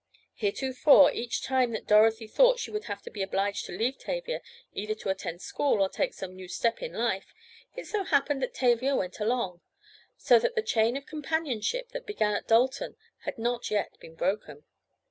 Heretofore each time that Dorothy thought she would have to be obliged to leave Tavia, either to attend school, or take some new step in life, it so happened that Tavia went along, so that the chain of companionship that began at Dalton had not yet been broken.